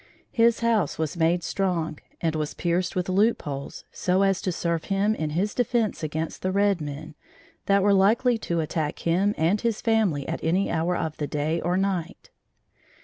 His house was made strong and was pierced with loopholes, so as to serve him in his defence against the red men that were likely to attack him and his family at any hour of the day or night.